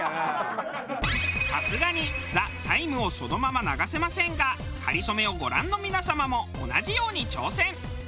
さすがに『ＴＨＥＴＩＭＥ，』をそのまま流せませんが『かりそめ』をご覧の皆様も同じように挑戦。